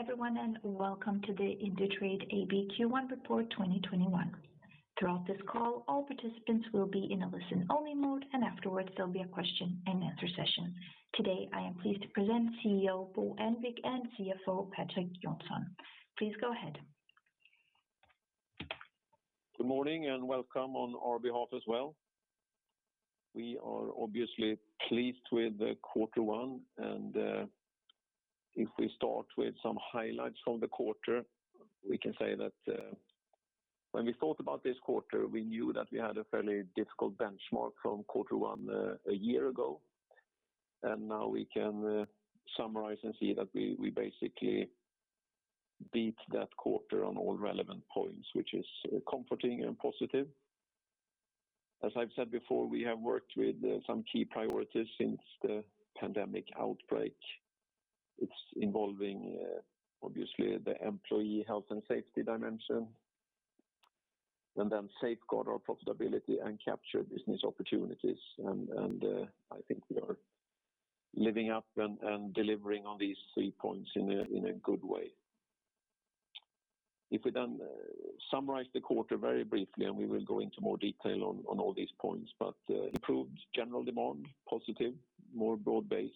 Hello everyone, and welcome to the Indutrade AB Q1 Report 2021. Throughout this call, all participants will be in a listen-only mode, and afterwards there'll be a question and answer session. Today, I am pleased to present CEO Bo Annvik and CFO Patrik Johnson. Please go ahead. Good morning, and welcome on our behalf as well. We are obviously pleased with the quarter one, and if we start with some highlights from the quarter, we can say that when we thought about this quarter, we knew that we had a fairly difficult benchmark from quarter one a year ago. Now we can summarize and see that we basically beat that quarter on all relevant points, which is comforting and positive. As I've said before, we have worked with some key priorities since the pandemic outbreak. It's involving obviously the employee health and safety dimension, and then safeguard our profitability and capture business opportunities. I think we are living up and delivering on these three points in a good way. We summarize the quarter very briefly, and we will go into more detail on all these points, but improved general demand, positive, more broad-based,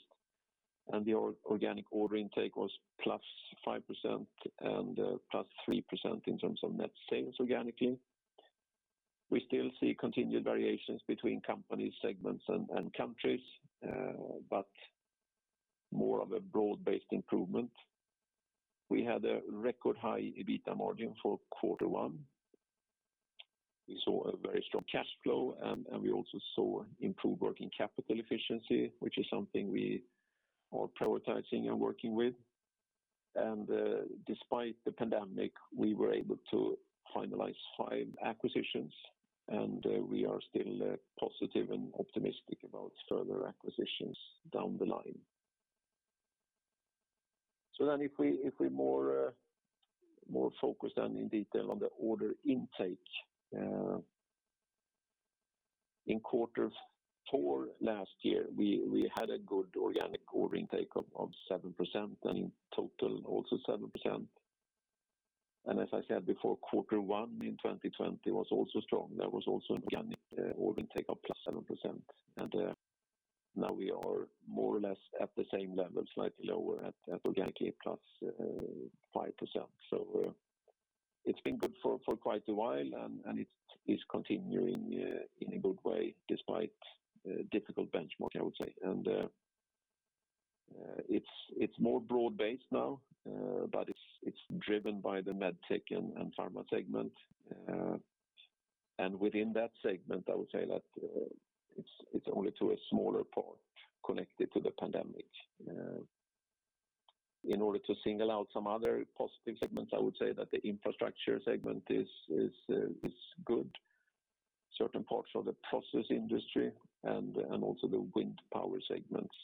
and the organic order intake was +5% and +3% in terms of net sales organically. We still see continued variations between company segments and countries, but more of a broad-based improvement. We had a record high EBITA margin for quarter one. We saw a very strong cash flow, and we also saw improved working capital efficiency, which is something we are prioritizing and working with. Despite the pandemic, we were able to finalize five acquisitions, and we are still positive and optimistic about further acquisitions down the line. If we more focus then in detail on the order intake. In quarter four last year, we had a good organic order intake of 7%, and in total also 7%. As I said before, quarter one in 2020 was also strong. There was also an organic order intake of +7%. Now we are more or less at the same level, slightly lower at organic +5%. It's been good for quite a while, and it is continuing in a good way despite a difficult benchmark, I would say. It's more broad-based now, but it's driven by the MedTech and pharma segment. Within that segment, I would say that it's only to a smaller part connected to the pandemic. In order to single out some other positive segments, I would say that the infrastructure segment is good, certain parts of the process industry and also the wind power segments.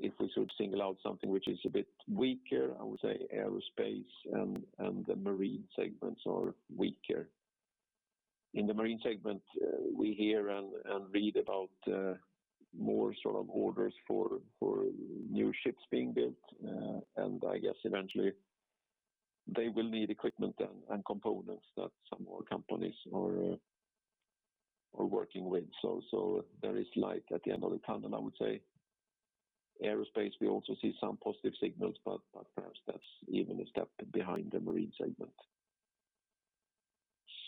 If we should single out something which is a bit weaker, I would say aerospace and the marine segments are weaker. In the marine segment, we hear and read about more sort of orders for new ships being built. I guess eventually they will need equipment and components that some more companies are working with. There is light at the end of the tunnel, I would say. Aerospace, we also see some positive signals, but perhaps that's even a step behind the marine segment.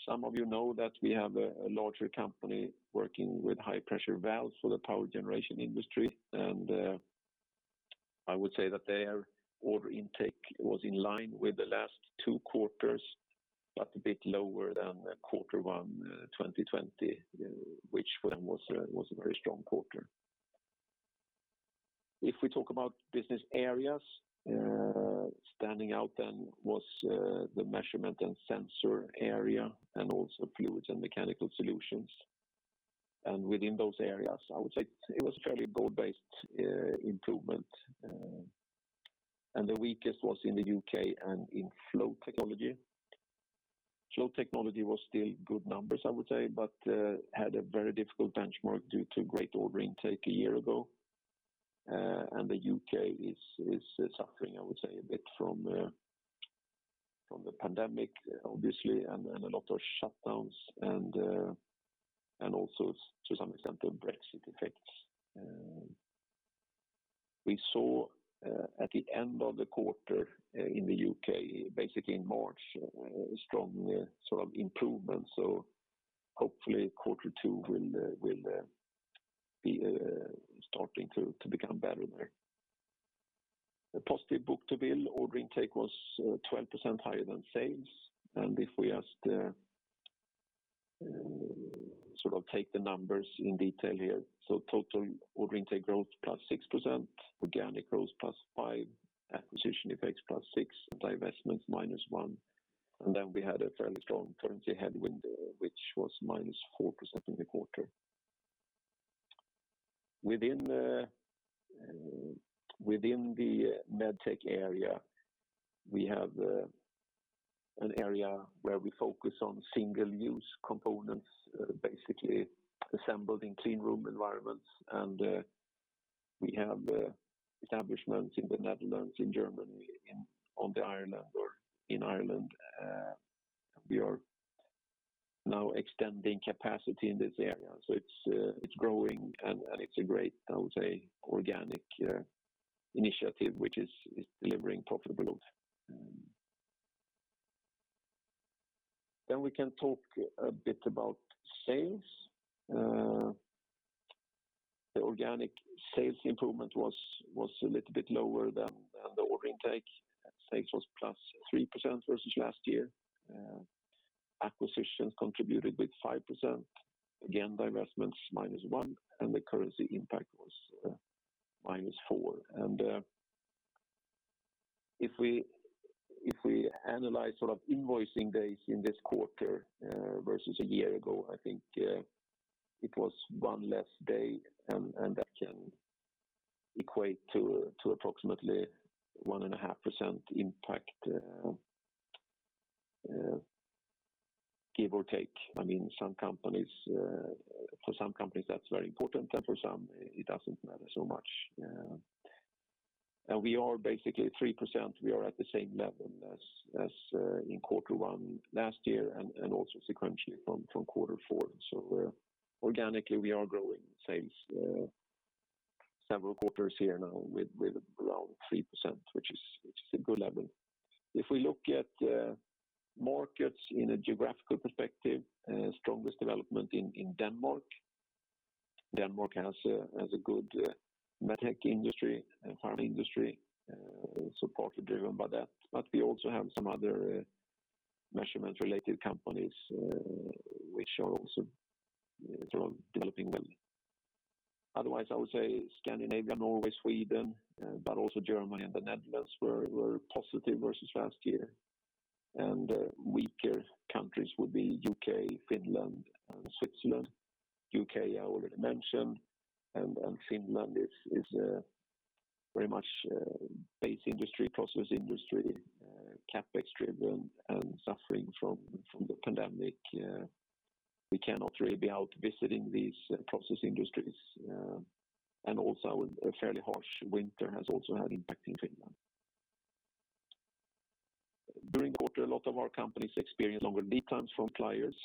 Some of you know that we have a larger company working with high-pressure valves for the power generation industry, and I would say that their order intake was in line with the last two quarters, but a bit lower than Q1 2020, which then was a very strong quarter. If we talk about business areas, standing out then was the measurement and sensor area, and also fluids and mechanical solutions. Within those areas, I would say it was a fairly broad-based improvement. The weakest was in the U.K. and in flow technology. Flow technology was still good numbers, I would say, but had a very difficult benchmark due to great order intake a year ago. The U.K. is suffering, I would say, a bit from the pandemic, obviously, and a lot of shutdowns and also to some extent the Brexit effects. We saw at the end of the quarter in the U.K., basically in March, a strong sort of improvement. Hopefully quarter two will be starting to become better there. A positive book-to-bill order intake was 12% higher than sales. If we just sort of take the numbers in detail here. Total order intake growth +6%, organic growth +5%, acquisition effects +6%, divestments -1%. Then we had a fairly strong currency headwind, which was -4% in the quarter. Within the MedTech area, we have an area where we focus on single-use components, basically assembled in clean room environments. We have establishments in the Netherlands, in Germany, in Ireland. We are now extending capacity in this area. It's growing and it's a great organic initiative, which is delivering profitably. We can talk a bit about sales. The organic sales improvement was a little bit lower than the order intake. Sales was +3% versus last year. Acquisitions contributed with 5%. Again, divestments -1%, and the currency impact was -4%. If we analyze invoicing days in this quarter versus a year ago, I think it was one less day, and that can equate to approximately 1.5% impact, give or take. For some companies, that's very important, and for some, it doesn't matter so much. We are basically 3%. We are at the same level as in quarter one last year and also sequentially from quarter four. Organically, we are growing sales several quarters here now with around 3%, which is a good level. If we look at markets in a geographical perspective, strongest development in Denmark. Denmark has a good MedTech industry and pharma industry, partly driven by that. We also have some other measurement-related companies which are also developing well. Otherwise, I would say Scandinavia, Norway, Sweden, but also Germany and the Netherlands were positive versus last year. Weaker countries would be U.K., Finland, and Switzerland. U.K. I already mentioned, and Finland is very much a base industry, process industry, CapEx-driven, and suffering from the pandemic. We cannot really be out visiting these process industries. Also a fairly harsh winter has also had impact in Finland. During the quarter, a lot of our companies experienced longer lead times from suppliers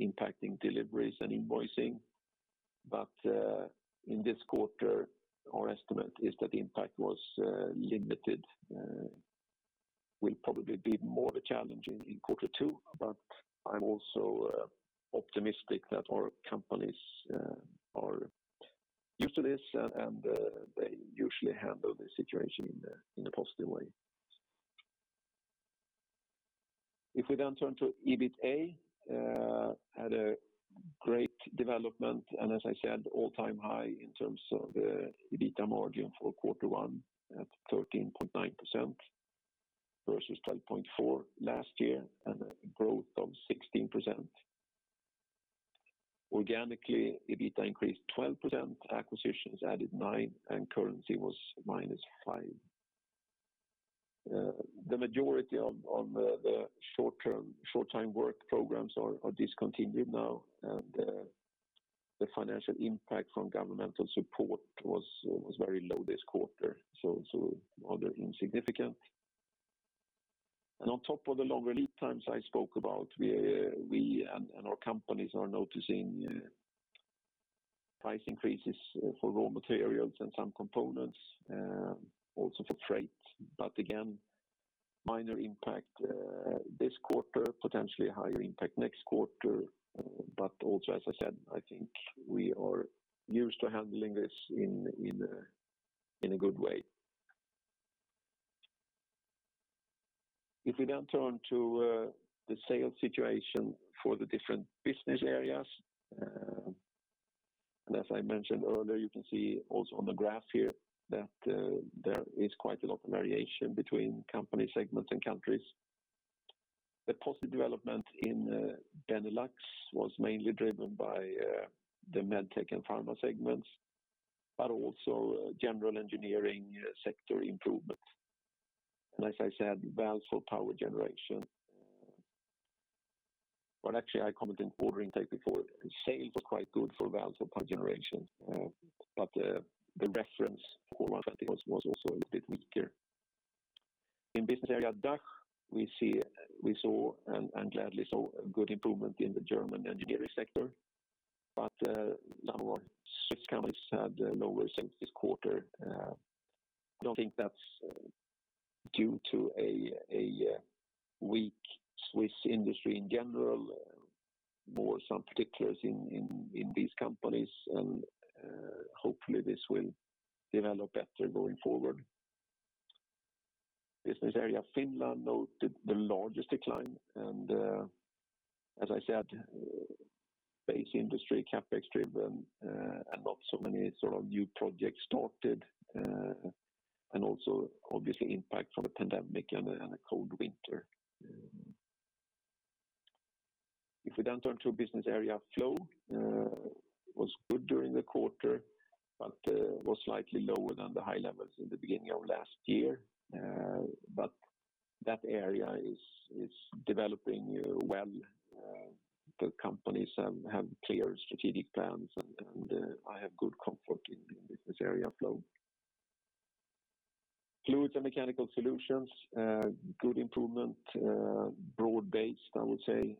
impacting deliveries and invoicing. In this quarter, our estimate is that the impact was limited. It will probably be more of a challenge in quarter two, but I'm also optimistic that our companies are used to this, and they usually handle the situation in a positive way. If we then turn to EBITA, we had a great development, and as I said, all-time high in terms of the EBITA margin for quarter one at 13.9% versus 12.4% last year and a growth of 16%. Organically, EBITA increased 12%, acquisitions added 9%, and currency was -5%. The majority of the short-time work programs are discontinued now, and the financial impact from governmental support was very low this quarter, so rather insignificant. On top of the longer lead times I spoke about, we and our companies are noticing price increases for raw materials and some components, also for freight. Again, minor impact this quarter, potentially a higher impact next quarter. Also, as I said, I think we are used to handling this in a good way. If we then turn to the sales situation for the different business areas, as I mentioned earlier, you can see also on the graph here that there is quite a lot of variation between company segments and countries. The positive development in Benelux was mainly driven by the MedTech and pharma segments, also general engineering sector improvement. As I said, valves for power generation. Well, actually, I commented on order intake before. Sales was quite good for valves and power generation. The reference for Q1 2020 was also a little bit weaker. In business area DACH, we gladly saw a good improvement in the German engineering sector. Some of our Swiss companies had lower sales this quarter. I don't think that's due to a weak Swiss industry in general. More some particulars in these companies, hopefully this will develop better going forward. Business area Finland noted the largest decline, as I said, base industry, CapEx-driven, not so many new projects started, also obviously impact from the pandemic and a cold winter. If we then turn to business area Flow, was good during the quarter, was slightly lower than the high levels in the beginning of last year. That area is developing well. The companies have clear strategic plans, I have good comfort in business area Flow. Fluids and Mechanical Solutions, good improvement, broad-based, I would say.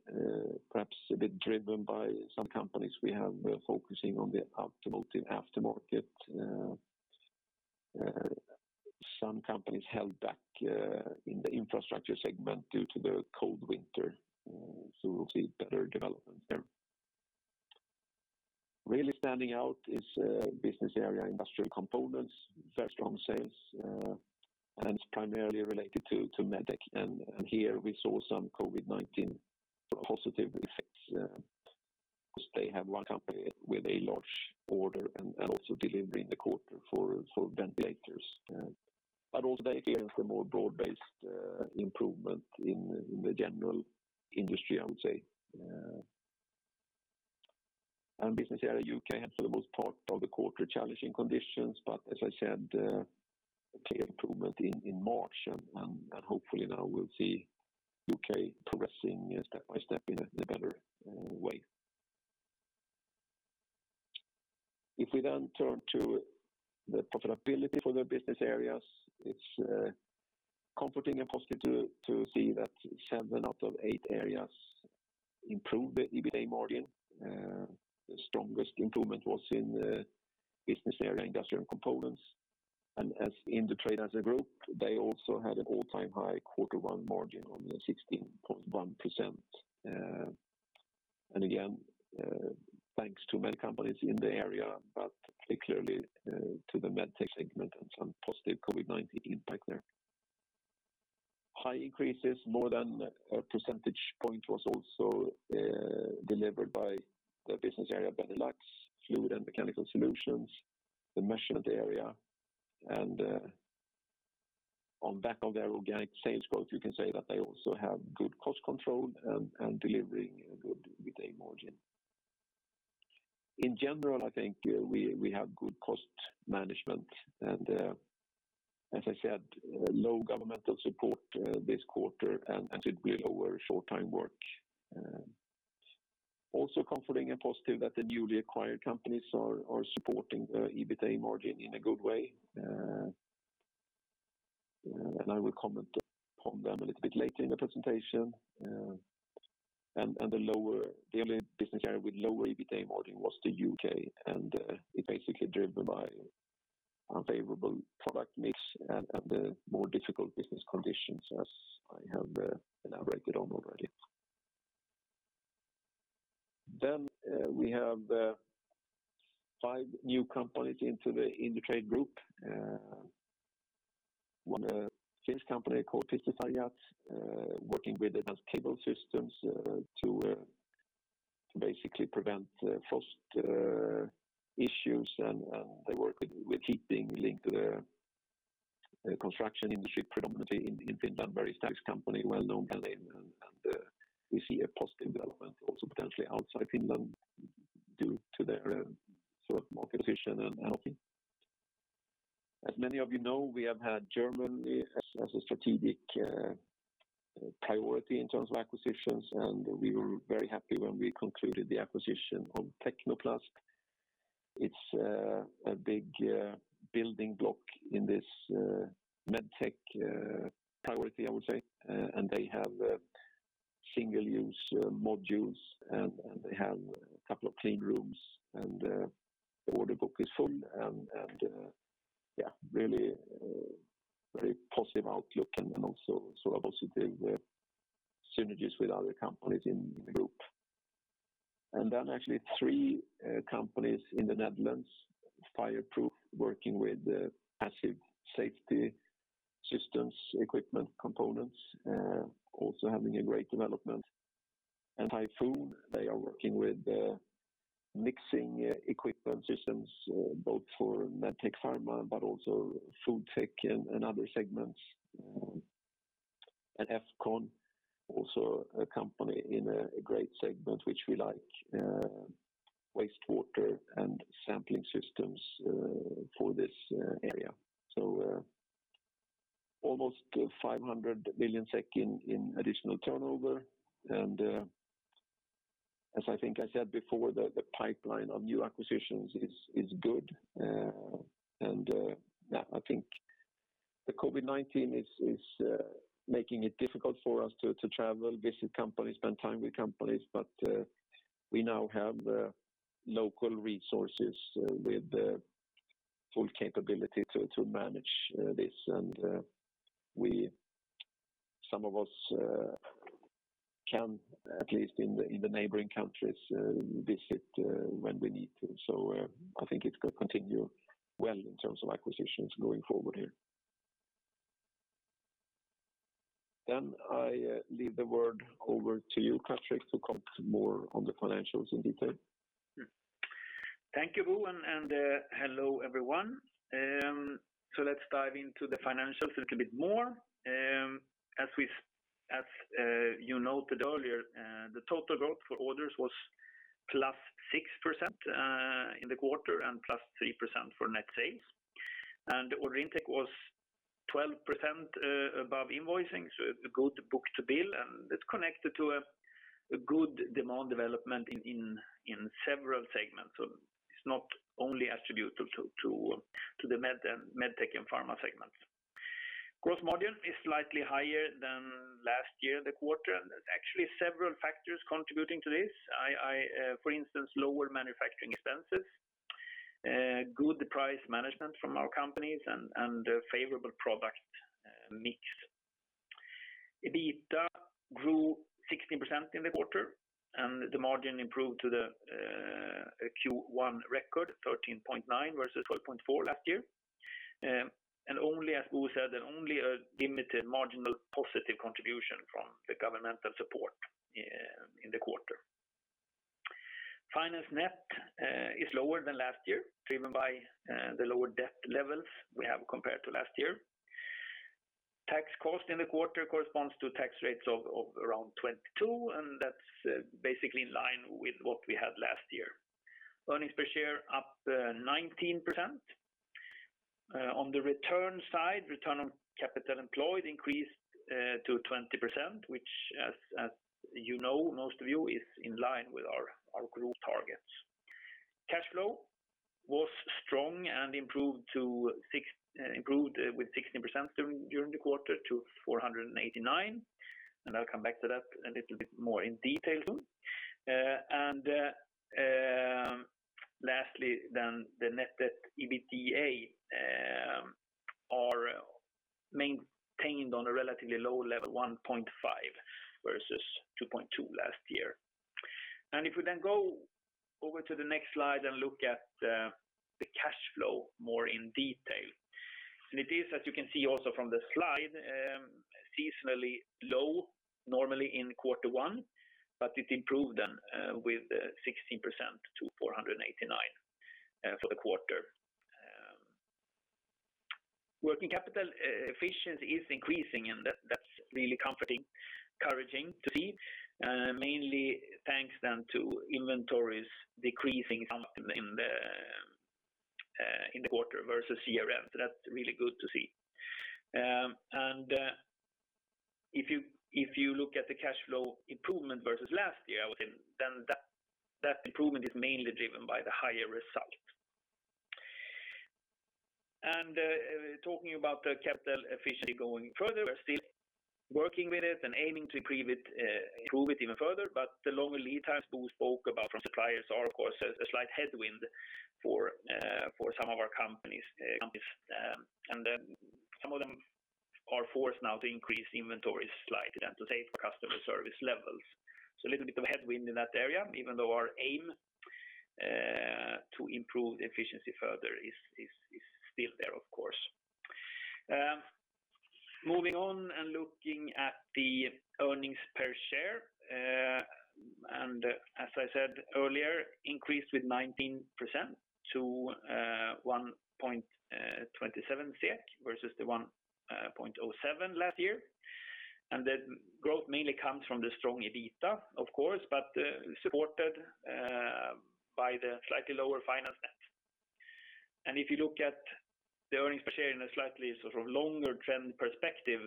Perhaps a bit driven by some companies we have focusing on the automotive aftermarket. Some companies held back in the infrastructure segment due to the cold winter. We'll see better development there. Really standing out is business area Industrial Components, very strong sales. It's primarily related to MedTech. Here we saw some COVID-19 positive effects. Because they have one company with a large order and also delivery in the quarter for ventilators. Also they experienced a more broad-based improvement in the general industry, I would say. Business area U.K., for the most part of the quarter, challenging conditions. As I said, clear improvement in March. Hopefully now we'll see U.K. progressing step by step in a better way. If we turn to the profitability for the business areas, it's comforting and positive to see that seven out of eight areas improved the EBITA margin. The strongest improvement was in the business area Industrial Components. As Indutrade Group, they also had an all-time high quarter one margin of 16.1%. Again thanks to many companies in the area, but particularly to the MedTech segment and some positive COVID-19 impact there. High increases, more than a percentage point was also delivered by the business area Benelux Fluid and Mechanical Solutions, the measurement area. On back of their organic sales growth, you can say that they also have good cost control and delivering a good EBITA margin. In general, I think we have good cost management. As I said, low governmental support this quarter and a bit lower short-time work. Also comforting and positive that the newly acquired companies are supporting the EBITA margin in a good way. I will comment upon them a little bit later in the presentation. The only business area with lower EBITA margin was the U.K., and it's basically driven by unfavorable product mix and the more difficult business conditions as I have elaborated on already. We have five new companies into the Indutrade Group. One Finnish company called Pistesarjat Oy, working with advanced cable systems to basically prevent frost issues, and they work with heating linked to the construction industry, predominantly in Finland. Very established company, well-known brand name, and we see a positive development also potentially outside Finland due to their market position and offering. As many of you know, we have had Germany as a strategic priority in terms of acquisitions. We were very happy when we concluded the acquisition of Tecno Plast Industrietechnik GmbH. It's a big building block in this MedTech priority, I would say. They have single-use modules, and they have a couple of clean rooms, and the order book is full, and really very positive outlook and also positive synergies with other companies in the group. Then actually three companies in the Netherlands. Fire Proof BV, working with passive safety systems equipment components, also having a great development. Typhoon Roertechniek Group, they are working with mixing equipment systems, both for MedTech pharma, but also FoodTech and other segments. Efcon Water B.V., also a company in a great segment which we like, wastewater and sampling systems for this area. Almost 500 million SEK in additional turnover. As I think I said before, the pipeline of new acquisitions is good. I think the COVID-19 is making it difficult for us to travel, visit companies, spend time with companies, but we now have local resources with full capability to manage this. Some of us can, at least in the neighboring countries, visit when we need to. I think it could continue well in terms of acquisitions going forward here. I leave the word over to you, Patrik, to comment more on the financials in detail. Thank you, Bo Annvik, and hello, everyone. Let's dive into the financials a little bit more. As you noted earlier, the total growth for orders was +6% in the quarter and +3% for net sales. Order intake was 12% above invoicing, so a good book-to-bill, and it's connected to a good demand development in several segments. It's not only attributable to the MedTech and pharma segments. Gross margin is slightly higher than last year in the quarter, and there's actually several factors contributing to this. For instance, lower manufacturing expenses, good price management from our companies, and a favorable product mix. EBITDA grew 16% in the quarter, and the margin improved to the Q1 record 13.9% versus 12.4% last year. Only, as Bo Annvik said, a limited marginal positive contribution from the governmental support in the quarter. Finance net is lower than last year, driven by the lower debt levels we have compared to last year. Tax cost in the quarter corresponds to tax rates of around 22%. That's basically in line with what we had last year. Earnings per share up 19%. On the return side, return on capital employed increased to 20%, which as most of you know, is in line with our Group targets. Cash flow was strong and improved with 16% during the quarter to 489 million, and I'll come back to that a little bit more in detail soon. Lastly, the net debt/EBITDA are maintained on a relatively low level, 1.5x versus 2.2x last year. If we go over to the next slide and look at the cash flow more in detail. It is, as you can see also from the slide, seasonally low normally in quarter one, but it improved then with 16% to 489 for the quarter. Working capital efficiency is increasing, and that's really comforting, encouraging to see. Mainly thanks then to inventories decreasing in the quarter versus last year. That's really good to see. If you look at the cash flow improvement versus last year, then that improvement is mainly driven by the higher result. Talking about the capital efficiency going further, we're still working with it and aiming to improve it even further, but the longer lead times Bo Annvik spoke about from suppliers are, of course, a slight headwind for some of our companies. Some of them are forced now to increase inventories slightly than to save customer service levels. A little bit of headwind in that area, even though our aim to improve efficiency further is still there of course. Looking at the earnings per share. As I said earlier, increased with 19% to 1.27 versus the 1.07 last year. The growth mainly comes from the strong EBITDA, of course, but supported by the slightly lower finance net. If you look at the earnings per share in a slightly longer trend perspective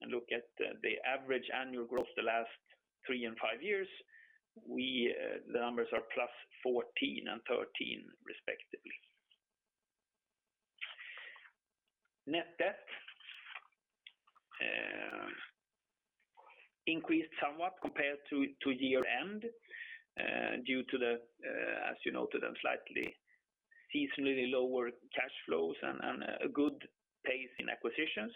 and look at the average annual growth the last three and five years, the numbers are +14% and 13% respectively. Net debt increased somewhat compared to year end due to the, as you noted, slightly seasonally lower cash flows and a good pace in acquisitions.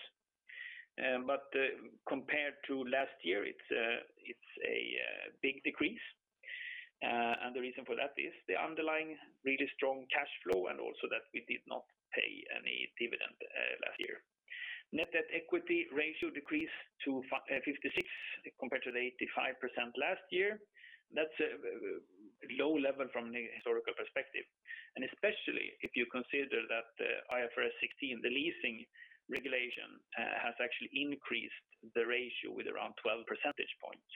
Compared to last year, it's a big decrease. The reason for that is the underlying really strong cash flow and also that we did not pay any dividend last year. Net debt equity ratio decreased to 56% compared to the 85% last year. That's a low level from a historical perspective, especially if you consider that IFRS 16, the leasing regulation, has actually increased the ratio with around 12 percentage points.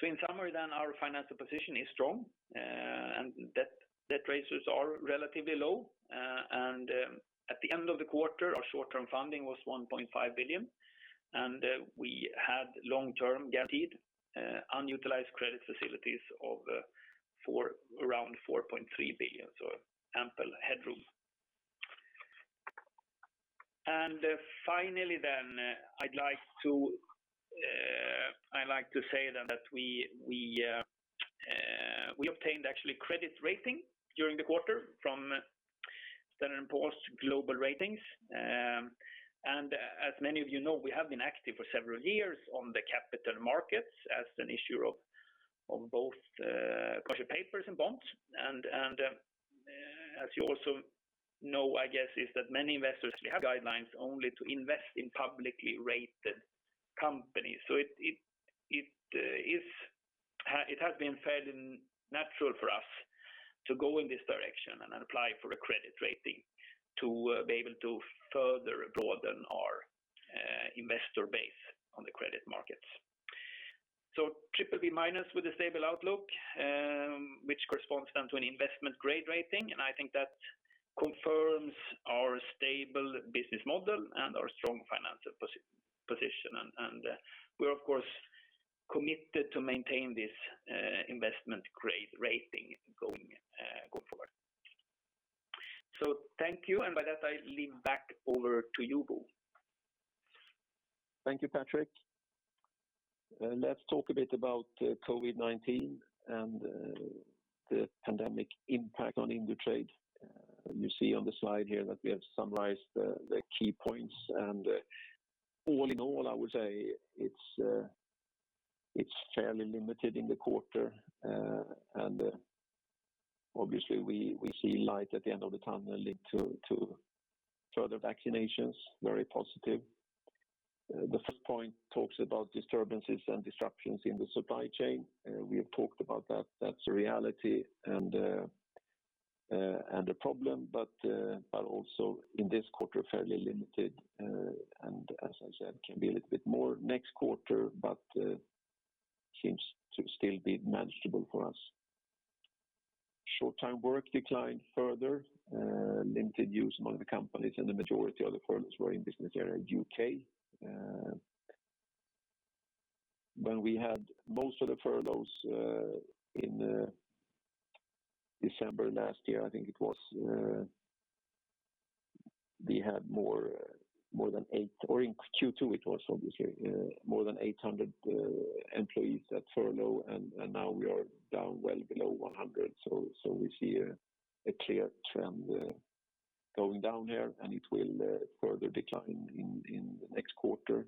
In summary then, our financial position is strong, and debt ratios are relatively low. At the end of the quarter, our short-term funding was 1.5 billion, and we had long-term guaranteed unutilized credit facilities of around 4.3 billion, so ample headroom. Finally then, I'd like to say that we obtained actually credit rating during the quarter from Standard & Poor's Global Ratings. As many of you know, we have been active for several years on the capital markets as an issuer of both commercial papers and bonds. As you also know, I guess, is that many investors have guidelines only to invest in publicly rated companies. It has been felt natural for us to go in this direction and apply for a credit rating to be able to further broaden our investor base on the credit markets. BBB- with a stable outlook which corresponds then to an investment grade rating, and I think that confirms our stable business model and our strong financial position. We are of course committed to maintain this investment grade rating going forward. Thank you, and by that I leave back over to you, Bo Annvik. Thank you, Patrik. Let's talk a bit about COVID-19 and the pandemic impact on Indutrade. You see on the slide here that we have summarized the key points and all in all, I would say it's fairly limited in the quarter. Obviously, we see light at the end of the tunnel linked to further vaccinations. Very positive. The first point talks about disturbances and disruptions in the supply chain. We have talked about that's a reality and a problem, but also in this quarter, fairly limited. As I said, can be a little bit more next quarter, but seems to still be manageable for us. Short-time work declined further, limited use among the companies and the majority of the furloughs were in business area U.K. When we had most of the furloughs in December last year, we had more than 800 employees at furlough and now we are down well below 100. We see a clear trend going down there and it will further decline in the next quarter.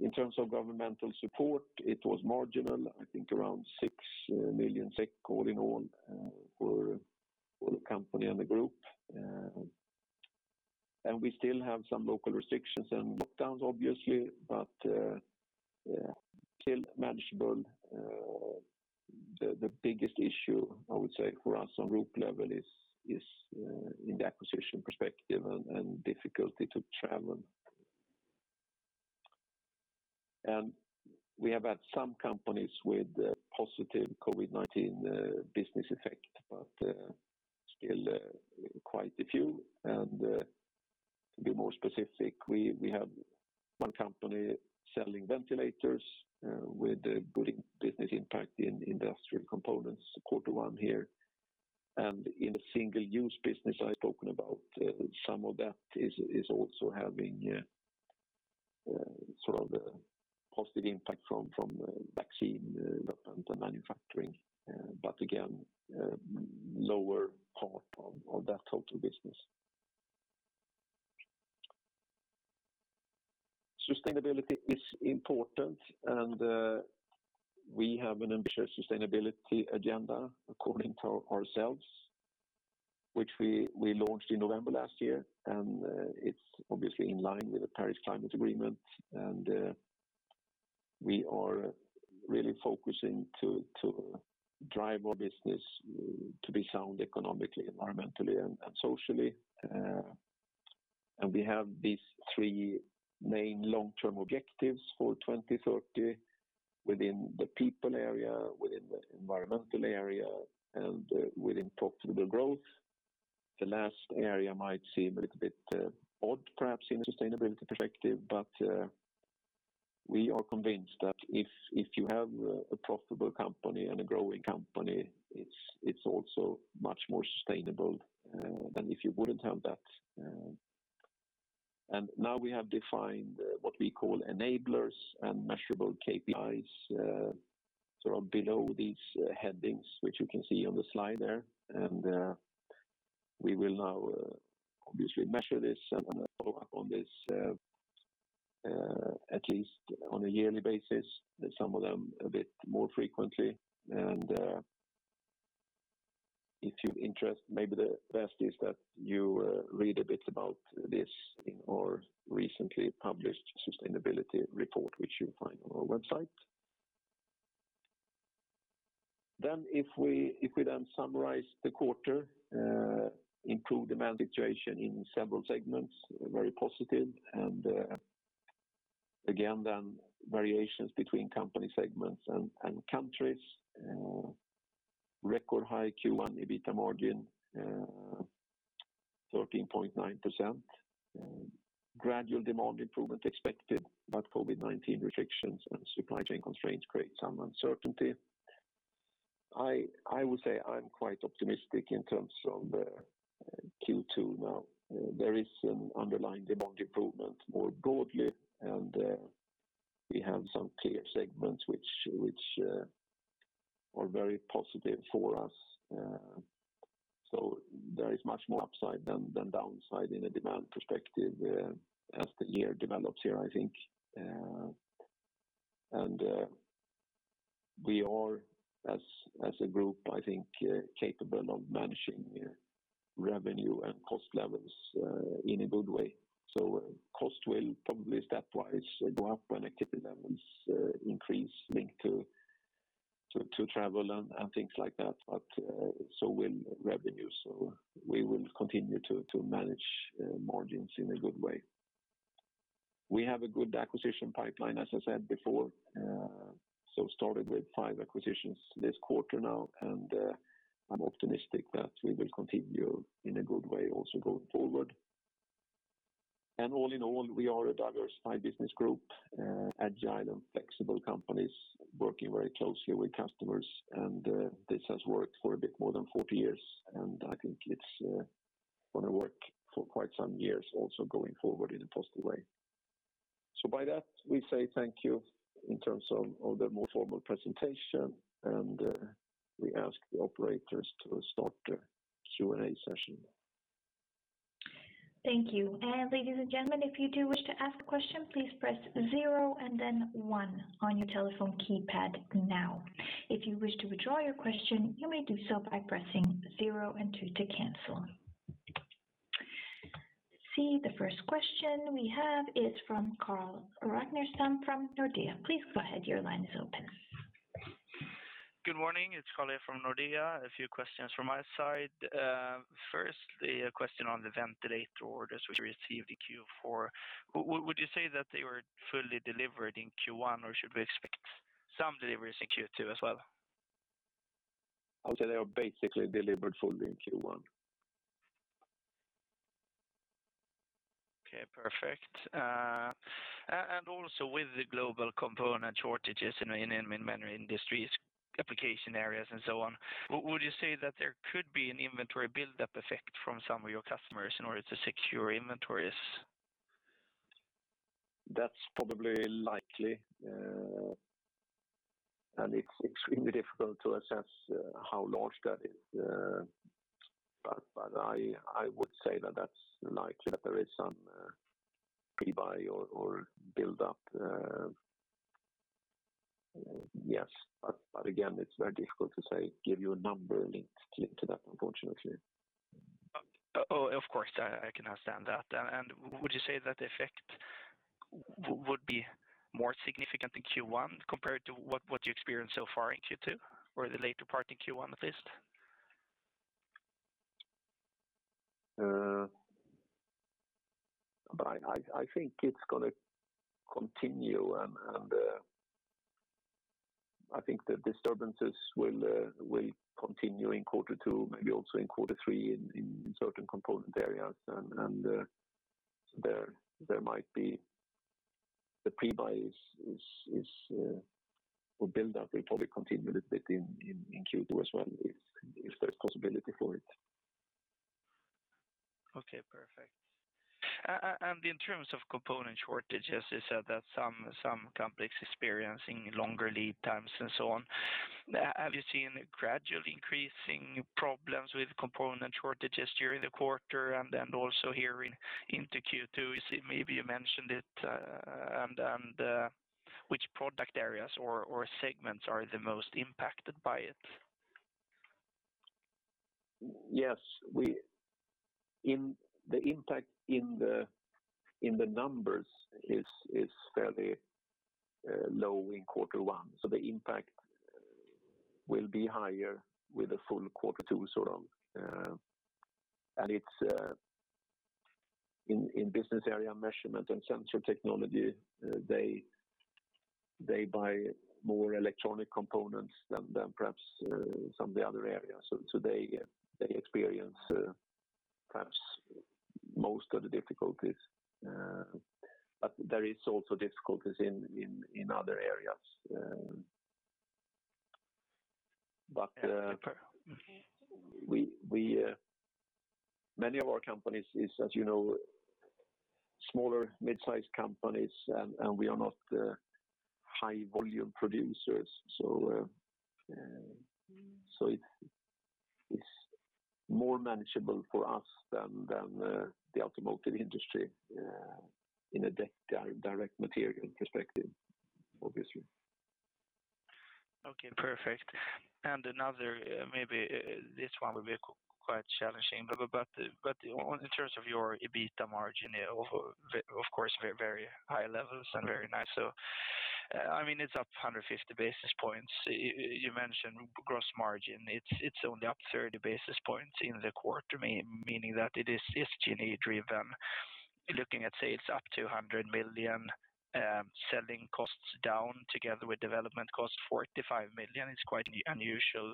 In terms of governmental support, it was marginal, I think around 6 million SEK all in all for the company and the Group. We still have some local restrictions and lockdowns obviously, but still manageable. The biggest issue I would say for us on Group level is in the acquisition perspective and difficulty to travel. We have had some companies with positive COVID-19 business effect, but still quite a few. To be more specific we have one company selling ventilators with a good business impact in industrial components quarter one here. In the single-use business I've spoken about some of that is also having a positive impact from vaccine development and manufacturing. Again lower part of that total business. Sustainability is important and we have an ambitious sustainability agenda according to ourselves which we launched in November last year. It's obviously in line with the Paris Agreement and we are really focusing to drive our business to be sound economically, environmentally and socially. We have these three main long-term objectives for 2030 within the people area, within the environmental area and within profitable growth. The last area might seem a little bit odd perhaps in a sustainability perspective. We are convinced that if you have a profitable company and a growing company it's also much more sustainable than if you wouldn't have that. Now we have defined what we call enablers and measurable KPIs below these headings which you can see on the slide there. We will now obviously measure this and follow up on this at least on a yearly basis, some of them a bit more frequently. If you're interested, maybe the best is that you read a bit about this in our recently published sustainability report which you'll find on our website. If we then summarize the quarter improved demand situation in several segments, very positive. Again then variations between company segments and countries. Record high Q1 EBITDA margin 13.9%. Gradual demand improvement expected but COVID-19 restrictions and supply chain constraints create some uncertainty. I would say I'm quite optimistic in terms of Q2 now. There is some underlying demand improvement more broadly and we have some clear segments which are very positive for us. There is much more upside than downside in a demand perspective as the year develops here I think. We are, as a group, I think, capable of managing revenue and cost levels in a good way. Cost will probably stepwise go up when activity levels increase linked to travel and things like that, but so will revenue. We will continue to manage margins in a good way. We have a good acquisition pipeline, as I said before. Started with five acquisitions this quarter now, and I'm optimistic that we will continue in a good way also going forward. All in all, we are a diversified business group, agile and flexible companies working very closely with customers. This has worked for a bit more than 40 years, and I think it's going to work for quite some years also going forward in a positive way. By that, we say thank you in terms of the more formal presentation, and we ask the operators to start the Q&A session. Thank you. Ladies and gentlemen, if you do wish to ask a question, please press zero and then one on your telephone keypad now. If you wish to withdraw your question, you may do so by pressing zero and two to cancel. I see the first question we have is from Carl Ragnerstam from Nordea. Please go ahead. Your line is open. Good morning. It's Carl from Nordea. A few questions from my side. First, a question on the ventilator orders which you received in Q4. Would you say that they were fully delivered in Q1, or should we expect some deliveries in Q2 as well? I would say they are basically delivered fully in Q1. Okay, perfect. Also with the global component shortages in many industries, application areas, and so on, would you say that there could be an inventory buildup effect from some of your customers in order to secure inventories? That's probably likely, and it's extremely difficult to assess how large that is. I would say that that's likely that there is some pre-buy or buildup. Yes. Again, it's very difficult to give you a number linked to that, unfortunately. Of course, I can understand that. Would you say that the effect would be more significant in Q1 compared to what you experienced so far in Q2? The later part in Q1 at least? I think it's going to continue, and I think the disturbances will continue in quarter two, maybe also in quarter three in certain component areas. The pre-buys or buildup will probably continue a little bit in Q2 as well if there's possibility for it. Okay, perfect. In terms of component shortages, you said that some companies experiencing longer lead times and so on. Have you seen gradual increasing problems with component shortages during the quarter and then also here into Q2? Maybe you mentioned it. Which product areas or segments are the most impacted by it? Yes. The impact in the numbers is fairly low in quarter one. The impact will be higher with a full quarter two. In business area measurement and sensor technology, they buy more electronic components than perhaps some of the other areas. They experience perhaps most of the difficulties. There is also difficulties in other areas. Okay, perfect. Many of our companies is, as you know, smaller, mid-size companies, and we are not high volume producers. It's more manageable for us than the automotive industry in a direct material perspective, obviously. Okay, perfect. Another, maybe this one will be quite challenging, but in terms of your EBITDA margin, of course, very high levels and very nice. It's up 150 basis points. You mentioned gross margin. It's only up 30 basis points in the quarter, meaning that it is G&A driven. Looking at sales up to 100 million, selling costs down together with development cost 45 million is quite an unusual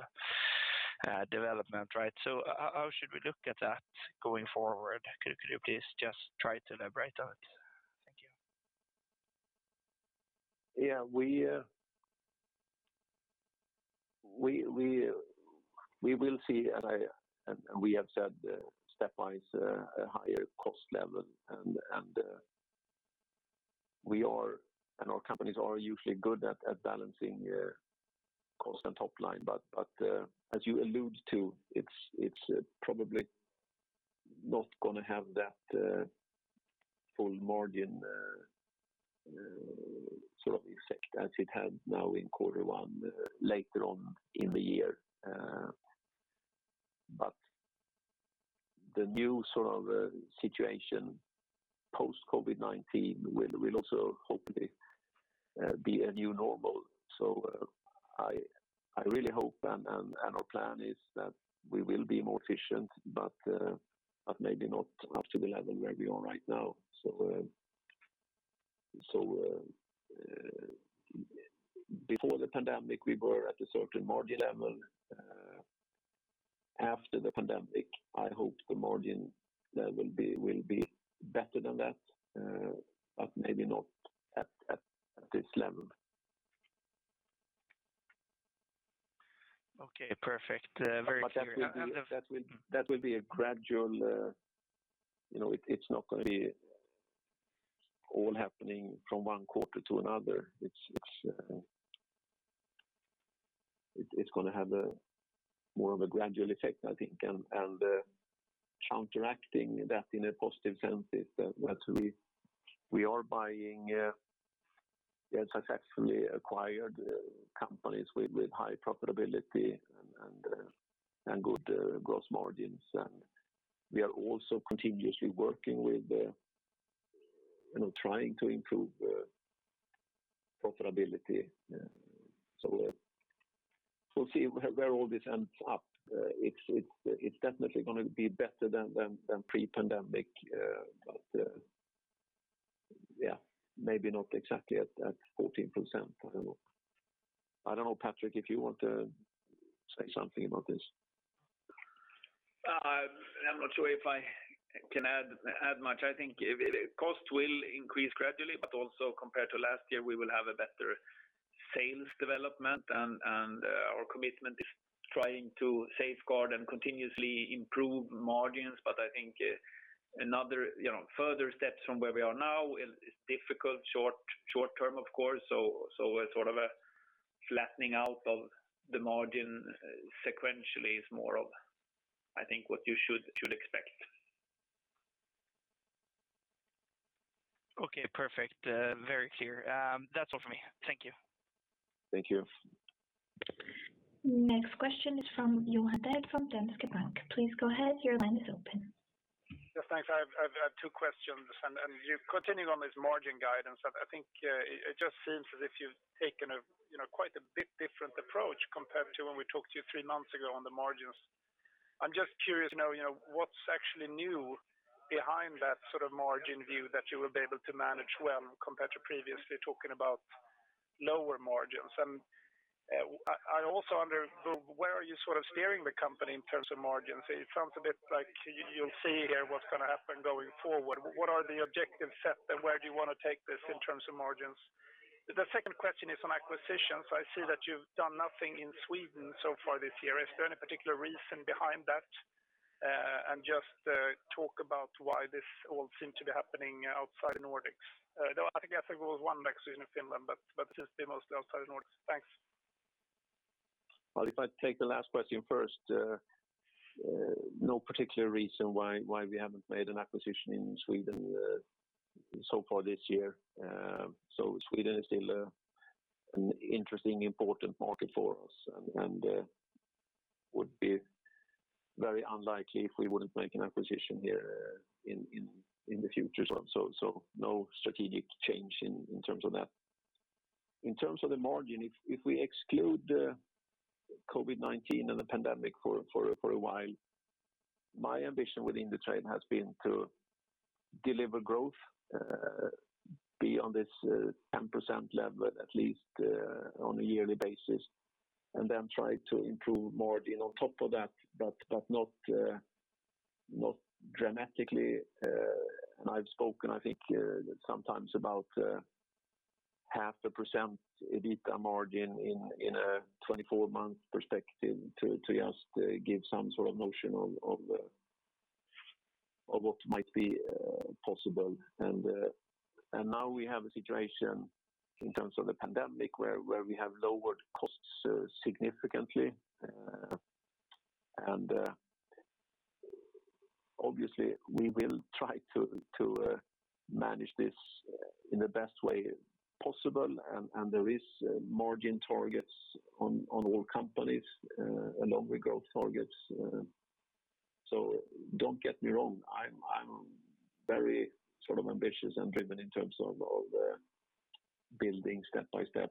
development, right? How should we look at that going forward? Could you please just try to elaborate on it? Thank you. Yeah. We will see, and we have said stepwise a higher cost level, and our companies are usually good at balancing cost and top line. As you allude to, it's probably not going to have that full margin sort of effect as it had now in quarter one later on in the year. The new situation post-COVID-19 will also hopefully be a new normal. I really hope and our plan is that we will be more efficient, but maybe not up to the level where we are right now. Before the pandemic, we were at a certain margin level. After the pandemic, I hope the margin will be better than that, but maybe not at this level. Okay, perfect. Very clear. That will be a gradual, it's not going to be all happening from one quarter to another. It's going to have more of a gradual effect, I think. Counteracting that in a positive sense is that we are buying, successfully acquired companies with high profitability and good gross margins. We are also continuously working with trying to improve profitability. We'll see where all this ends up. It's definitely going to be better than pre-pandemic. Maybe not exactly at 14%. I don't know, Patrik, if you want to say something about this. I'm not sure if I can add much. I think cost will increase gradually, but also compared to last year, we will have a better sales development, and our commitment is trying to safeguard and continuously improve margins. I think another further steps from where we are now is difficult short term, of course. A sort of a flattening out of the margin sequentially is more of, I think, what you should expect. Okay, perfect. Very clear. That's all from me. Thank you. Thank you. Next question is from Johan Dahl from Danske Bank. Please go ahead. Your line is open. Yes, thanks. I have two questions, and continuing on this margin guidance, I think it just seems as if you've taken quite a bit different approach compared to when we talked to you three months ago on the margins. I'm just curious to know what's actually new behind that sort of margin view that you will be able to manage well compared to previously talking about lower margins. I also wonder where are you sort of steering the company in terms of margins? It sounds a bit like you'll see here what's going to happen going forward. What are the objectives set and where do you want to take this in terms of margins? The second question is on acquisitions. I see that you've done nothing in Sweden so far this year. Is there any particular reason behind that? Just talk about why this all seems to be happening outside Nordics. I think there was one acquisition in Finland, but it seems to be mostly outside of Nordics. Thanks. Well, if I take the last question first, no particular reason why we haven't made an acquisition in Sweden so far this year. Sweden is still an interesting, important market for us and would be very unlikely if we wouldn't make an acquisition here in the future. No strategic change in terms of that. In terms of the margin, if we exclude COVID-19 and the pandemic for a while, my ambition within Indutrade has been to deliver growth, be on this 10% level, at least on a yearly basis, and then try to improve margin on top of that, but not dramatically. I've spoken, I think sometimes about 0.5% EBITDA margin in a 24-month perspective to just give some sort of notion of what might be possible. Now we have a situation in terms of the pandemic where we have lowered costs significantly. Obviously we will try to manage this in the best way possible. There is margin targets on all companies along with growth targets. Don't get me wrong, I'm very ambitious and driven in terms of building step by step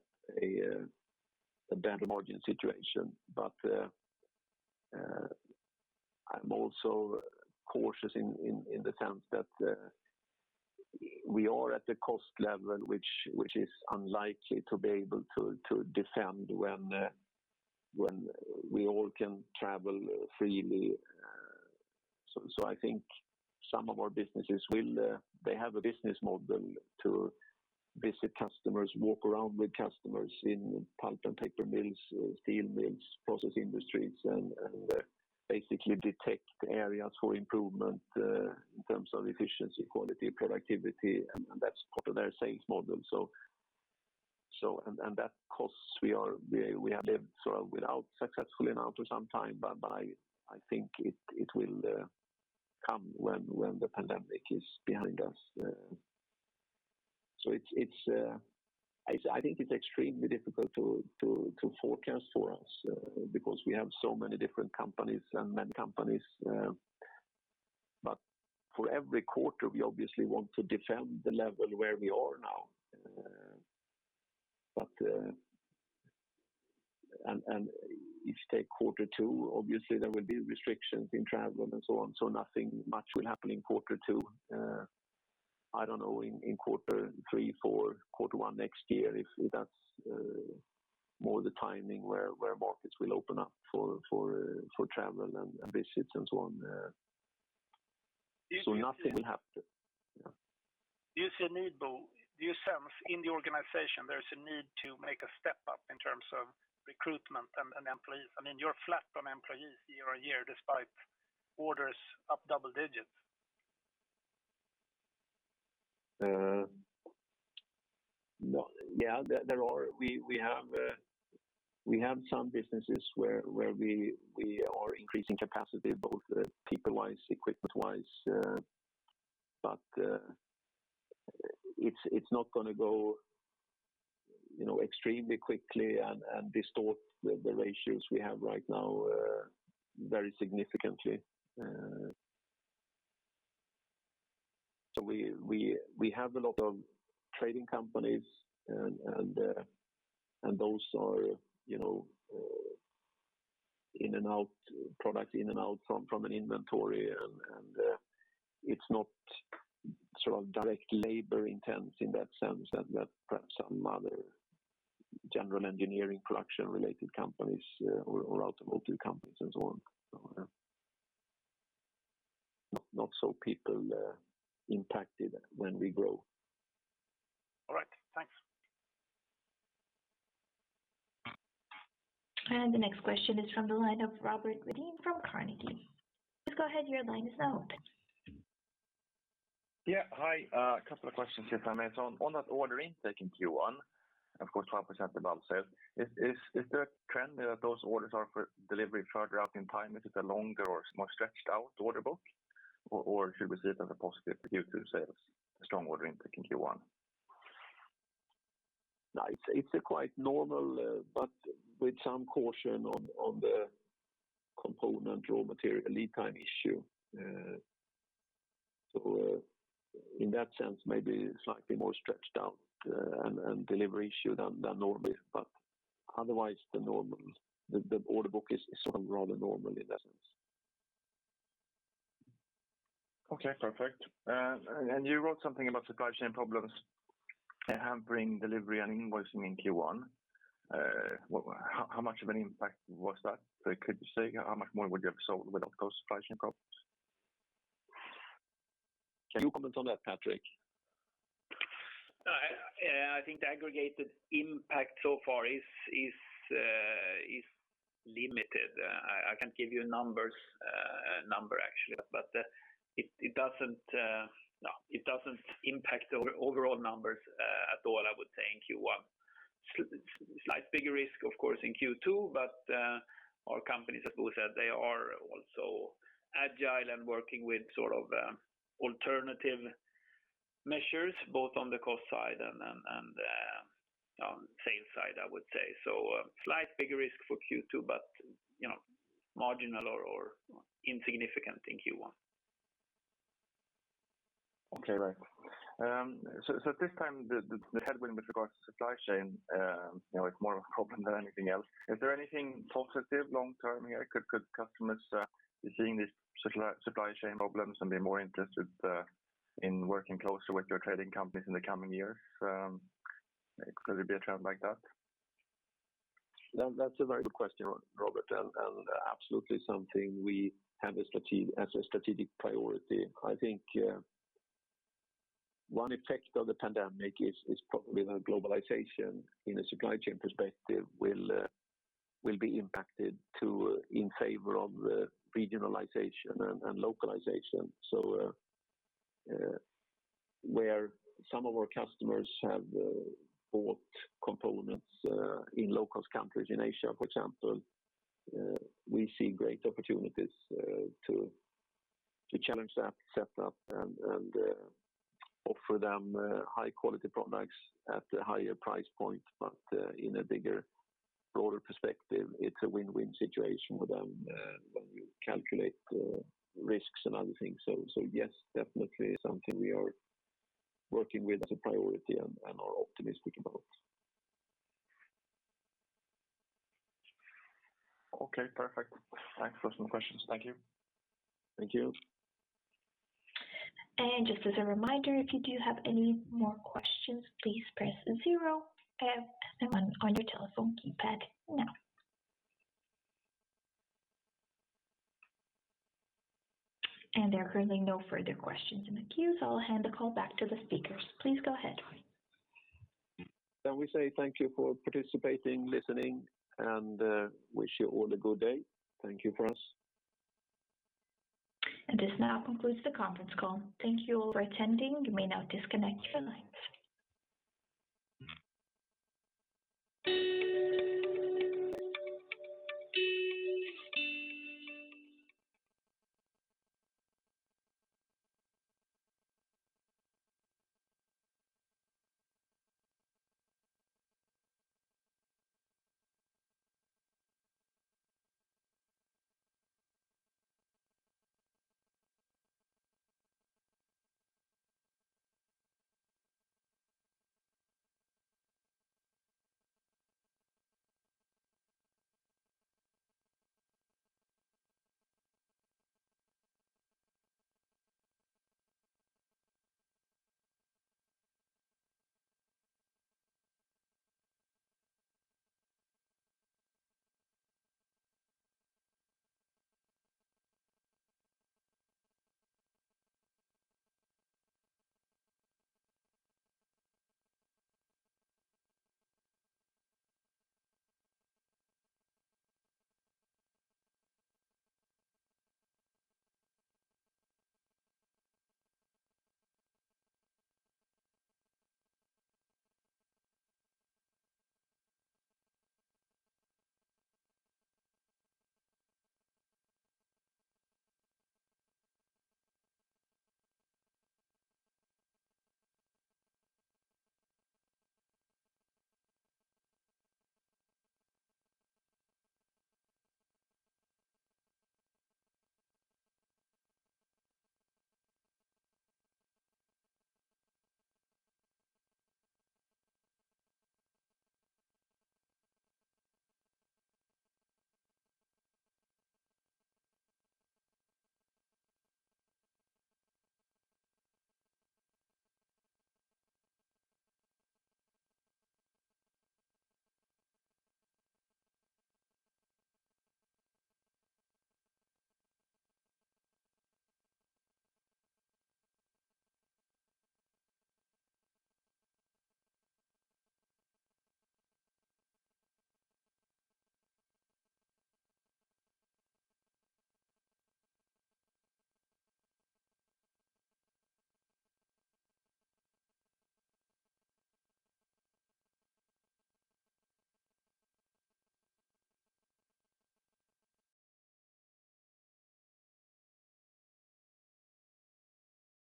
a better margin situation. I'm also cautious in the sense that we are at a cost level which is unlikely to be able to defend when we all can travel freely. I think some of our businesses, they have a business model to visit customers, walk around with customers in pulp and paper mills, steel mills, process industries, and basically detect areas for improvement in terms of efficiency, quality, productivity, and that's part of their sales model. That costs we have lived without successfully now for some time, but I think it will come when the pandemic is behind us. I think it is extremely difficult to forecast for us because we have so many different companies and many companies. For every quarter, we obviously want to defend the level where we are now. If you take quarter two, obviously there will be restrictions in travel and so on, so nothing much will happen in quarter two. I do not know, in quarter three, four, quarter one next year, if that is more the timing where markets will open up for travel and visits and so on. Nothing will happen. Do you see a need, Bo Annvik? Do you sense in the organization there's a need to make a step up in terms of recruitment and employees? You're flat on employees year-over-year despite orders up double digits. We have some businesses where we are increasing capacity both people-wise, equipment-wise, but it's not going to go extremely quickly and distort the ratios we have right now very significantly. We have a lot of trading companies, and those are products in and out from an inventory, and it's not direct labor intense in that sense that perhaps some other general engineering production-related companies or automotive companies and so on. Not so people impacted when we grow. All right. Thanks. The next question is from the line of Robert Redin from Carnegie. Please go ahead, your line is now open. Hi. A couple of questions here. On that order intake in Q1, of course, 12% above sales. Is there a trend there that those orders are for delivery further out in time? Is it a longer or more stretched out order book? Or should we see it as a positive Q2 sales, a strong order intake in Q1? It's quite normal but with some caution on the component raw material lead time issue. In that sense, maybe slightly more stretched out and delivery issue than normally, but otherwise the order book is rather normal in that sense. Okay, perfect. You wrote something about supply chain problems hampering delivery and invoicing in Q1. How much of an impact was that? Could you say how much more would you have sold without those supply chain problems? Can you comment on that, Patrik? I think the aggregated impact so far is limited. I can't give you a number actually. It doesn't impact the overall numbers at all, I would say in Q1. Slight bigger risk, of course, in Q2. Our companies, as Bo Annvik said, they are also agile and working with alternative measures both on the cost side and on sales side, I would say. Slight bigger risk for Q2, marginal or insignificant in Q1. Okay, right. At this time, the headwind with regards to supply chain it's more of a problem than anything else. Is there anything positive long term here? Could customers be seeing these supply chain problems and be more interested in working closer with your trading companies in the coming years? Could it be a trend like that? That's a very good question, Robert, and absolutely something we have as a strategic priority. I think one effect of the pandemic is probably that globalization in a supply chain perspective will be impacted in favor of regionalization and localization. Where some of our customers have bought components in low-cost countries in Asia, for example, we see great opportunities to challenge that setup and offer them high-quality products at a higher price point, but in a bigger, broader perspective, it's a win-win situation for them when you calculate risks and other things. Yes, definitely something we are working with as a priority and are optimistic about. Okay, perfect. Thanks for some questions. Thank you. Thank you. Just as a reminder, if you do have any more questions, please press zero and then one on your telephone keypad now. There are currently no further questions in the queue, so I'll hand the call back to the speakers. Please go ahead. We say thank you for participating, listening, and wish you all a good day. Thank you from us. This now concludes the conference call. Thank you all for attending. You may now disconnect your lines.